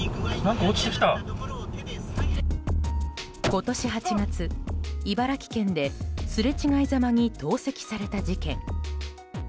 今年８月、茨城県ですれ違いざまに投石された事件。